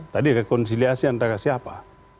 tadi rekonsiliasi antara siapa